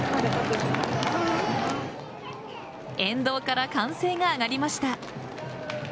沿道から歓声が上がりました。